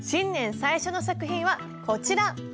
最初の作品はこちら！